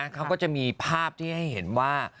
เขาก็จะมีภาพที่ให้เห็นว่า